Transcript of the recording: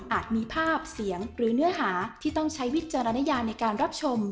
มีภาพเสียงหรือเนื้อหาที่ต้องใช้วิจารณญาในการรับชม